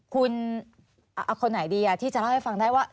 คุณคนไหนดีที่จะเล่าให้ฟังได้ว่า